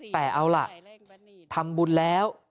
แต่เอาล่ะทำบุญแล้ว